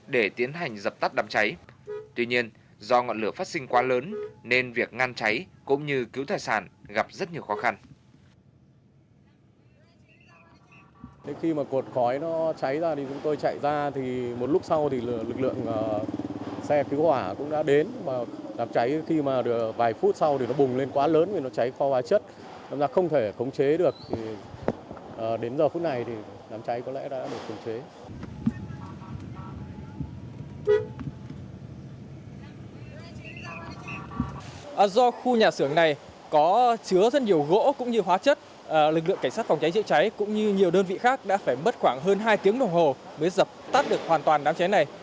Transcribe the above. do khu nhà xưởng này có chứa rất nhiều gỗ cũng như hóa chất lực lượng cảnh sát phòng trái trợ cháy cũng như nhiều đơn vị khác đã phải mất khoảng hơn hai tiếng đồng hồ mới dập tắt được hoàn toàn đám cháy này